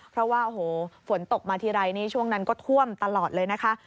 เพราะว่าโอ้โหฝนตกมาทีไรนี่ช่วงนั้นก็ท่วมตลอดเลยนะคะ